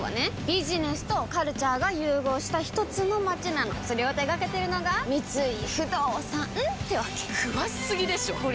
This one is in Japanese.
ビジネスとカルチャーが融合したひとつの街なのそれを手掛けてるのが三井不動産ってわけ詳しすぎでしょこりゃ